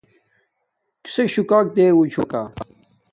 کِسݵک شُکݳ رݸچھݸتِکݳ؟